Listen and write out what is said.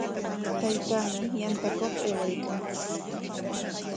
Taytaami yantakuq aywaykan.